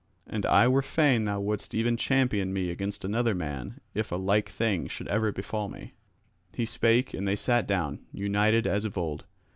And I were fain thou wouldst even champion me against another man if a like thing should ever befall me." He spake, and they sat down, united as of old.